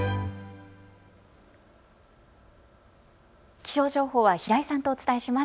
気象情報は平井さんとお伝えします。